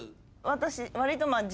私。